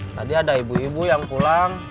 tadi ada ibu ibu yang pulang